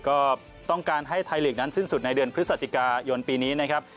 ก็ต้องการให้ไทยลีกนั้นสิ้นสุดในเดือนพฤศจิกายนปีนี้นะครับ